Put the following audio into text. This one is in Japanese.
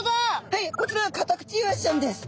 はいこちらはカタクチイワシちゃんです。